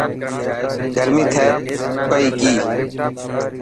گرمي ٿي پئي ڪي.